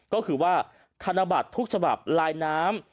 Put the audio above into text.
ก็คือว่าธนบัตรทุกฉบับลายน้ำ